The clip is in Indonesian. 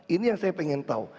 ini yang saya ingin tahu